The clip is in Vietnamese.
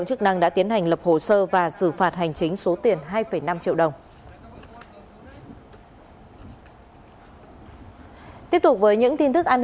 chức năng đã tiến hành lập hồ sơ và xử phạt hành chính số tiền hai năm triệu đồng